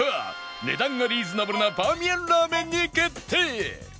値段がリーズナブルなバーミヤンラーメンに決定